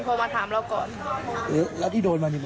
ตอนนี้เราเข้าเฟซได้ไหม